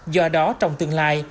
do đó trong tương lai